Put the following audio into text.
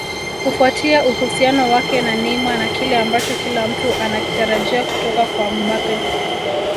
Kufuatia uhusiano wake na Neymar na kile ambacho kila mtu anakitarajia kutoka kwa Mbappe